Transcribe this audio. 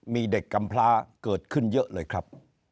มีเด็กกำพลาเกิดขึ้นเยอะเลยครับ